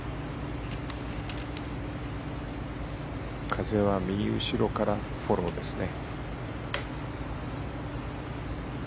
風は右後ろからフォローですね。